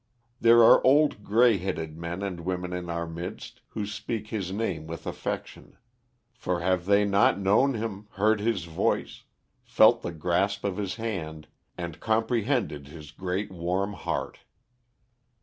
There are old grey headed men and women in our midst, who speak his name with affection; for have they not known him, heard his voice, felt the grasp of his hand, and comprehended his great, warm heart.